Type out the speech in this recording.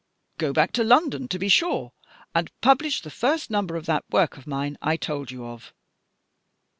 "Go back to London, to be sure, and publish the first number of that work of mine I told you of."